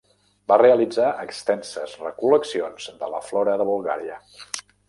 Va realitzar extenses recol·leccions de la flora de Bulgària.